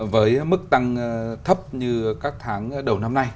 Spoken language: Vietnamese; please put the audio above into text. với mức tăng thấp như các tháng đầu năm nay